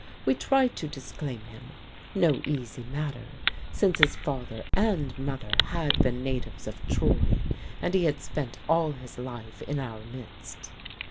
We tried to disclaim him no easy matter, since his father and mother had been natives of Troy, and he had spent all his life in our midst.